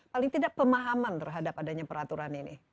paling tidak pemahaman terhadap adanya peraturan ini